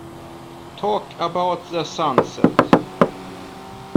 Talk about the sunset.